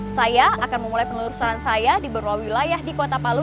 saya akan memulai penelusuran saya di beberapa wilayah di kota palu